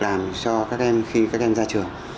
làm cho các em khi các em ra trường